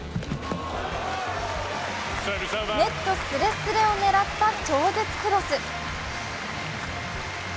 ネットすれすれを狙った超絶クロス。